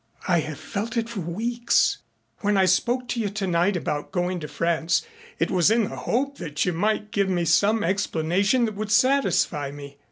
I have felt it for weeks. When I spoke to you tonight about going to France it was in the hope that you might give me some explanation that would satisfy me.